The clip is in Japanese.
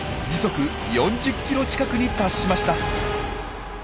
時速４０キロ近くに達しました。